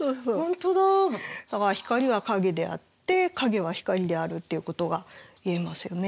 だから光は影であって影は光であるっていうことが言えますよね。